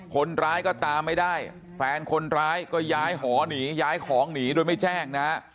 คนร้ายก็ตามไม่ได้แฟนคนร้ายก็ย้ายหอหนีย้ายของหนีโดยไม่แจ้งนะฮะ